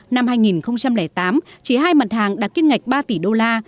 năm hai nghìn tám chỉ hai mặt hàng đạt kim ngạch ba tỷ đô la